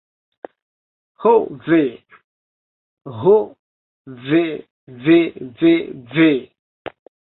Ho ve. Ho ve ve ve ve.